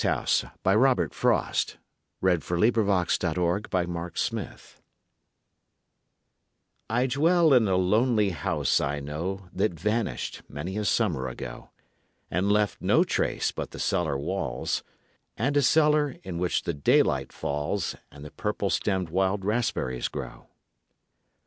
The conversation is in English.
JM Embroideries & Collectibles Ghost House By Robert Lee Frost I dwell in a lonely house I know That vanished many a summer ago, And left no trace but the cellar walls, And a cellar in which the daylight falls, And the purple stemmed wild raspberries grow.